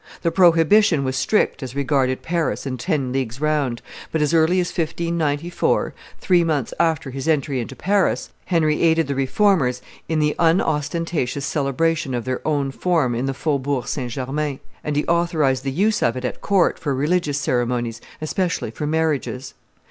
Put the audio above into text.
The prohibition was strict as regarded Paris and ten leagues round; but, as early as 1594, three months after his entry into Paris, Henry aided the Reformers in the unostentatious celebration of their own form in the Faubourg St. Germain; and he authorized the use of it at court for religious ceremonies, especially for marriages.